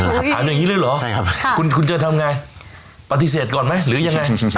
ถามอย่างนี้เลยเหรอคุณจะทำไงปฏิเสธก่อนไหมหรือยังไง